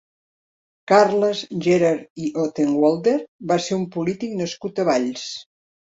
Carles Gerhard i Ottenwälder va ser un polític nascut a Valls.